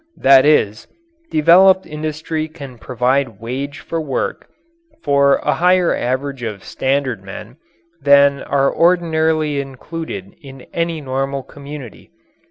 That is, developed industry can provide wage work for a higher average of standard men than are ordinarily included in any normal community.